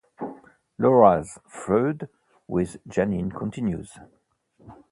Laura's feud with Janine continues.